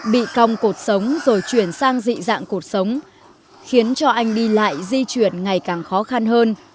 bị cong cuộc sống rồi chuyển sang dị dạng cuộc sống khiến cho anh đi lại di chuyển ngày càng khó khăn hơn